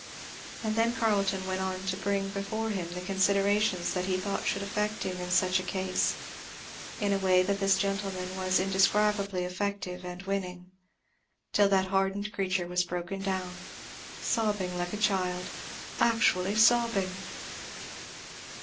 And then Carleton went on to bring before him the considerations that he thought should affect him in such a case, in a way that this gentleman said was indescribably effective and winning; till that hardened creature was broken down, sobbing like a child, actually sobbing!